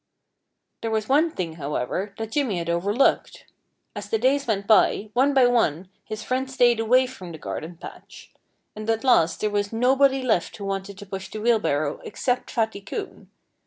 There was one thing, however, that Jimmy had overlooked. As the days went by, one by one his friends stayed away from the garden patch. And at last there was nobody left who wanted to push the wheelbarrow except Fatty Coon.